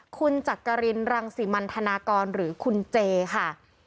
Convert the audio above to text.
คุณจักรินรังสิมันธนากรหรือคุณเจค่ะ